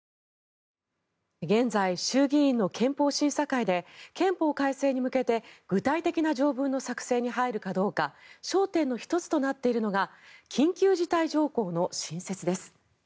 現在衆議院の憲法審査会で憲法改正に向けて具体的な条文の作成に入るかどうか焦点の１つとなっているのが緊急事態条項の新設です。